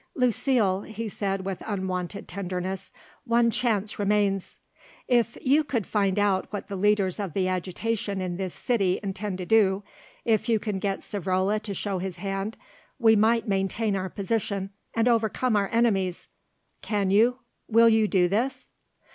"Lucile," he said with unwonted tenderness, "one chance remains. If you could find out what the leaders of the agitation in this city intend to do, if you can get Savrola to show his hand, we might maintain our position and overcome our enemies. Can you, will you do this?"